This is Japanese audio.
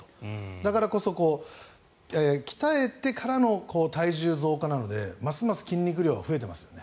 だからこそ鍛えてからの体重の増加なのでますます筋肉量は増えてますね。